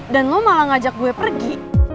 dan lo malah ngajak gue pergi